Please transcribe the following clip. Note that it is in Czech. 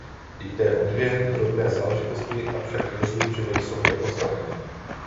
Jde o dvě drobné záležitosti, avšak věřím, že nejsou nepodstatné.